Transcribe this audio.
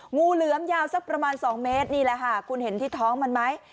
งูเหลือมยาวสักประมาณ๒เมตรนี่แหละค่ะคุณเห็นที่ท้องมันไหม